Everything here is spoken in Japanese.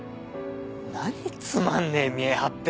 何つまんねえ見え張ってんだよ。